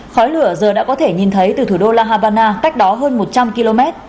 khói lửa giờ đã có thể nhìn thấy từ thủ đô la habana cách đó hơn một trăm linh km